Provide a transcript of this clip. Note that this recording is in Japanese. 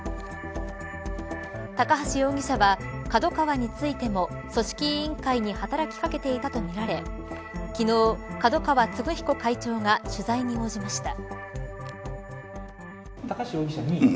高橋容疑者はＫＡＤＯＫＡＷＡについても組織委員会に働き掛けていたとみられ昨日、角川歴彦会長が取材に応じました。